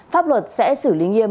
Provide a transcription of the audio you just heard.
pháp luật sẽ xử lý nghiêm